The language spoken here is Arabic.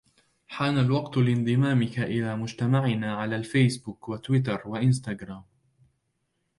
حان الوقت لانضمامك إلى مجتمعنا على الفيسبوك وتويتر وانستغرام